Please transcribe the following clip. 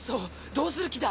どうする気だ！